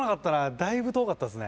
だいぶ遠かったですね。